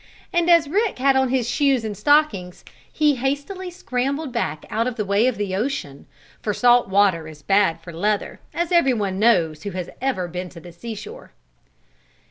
And as Rick had on his shoes and stockings, he hastily scrambled back out of the way of the ocean, for salt water is bad for leather, as everyone knows who has ever been to the seashore.